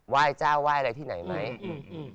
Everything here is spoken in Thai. ว่ายเจ้าว่ายอะไรที่ไหนไหม